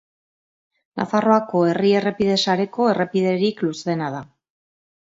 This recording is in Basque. Nafarroako herri errepide sareko errepiderik luzeena da.